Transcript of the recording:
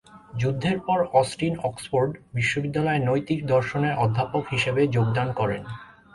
যুদ্ধের পর Austin Oxford বিশ্ববিদ্যালয়ে নৈতিক দর্শনের অধ্যাপক হিসেবে যোগদান করেন।